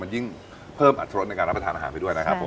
ยิ่งเพิ่มอัตรสในการรับประทานอาหารไปด้วยนะครับผม